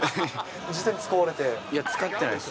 実際に使わいや、使ってないし。